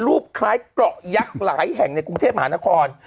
รูปคล้ายเกราะยักษ์หลายแห่งในกรุงเทพมหานคร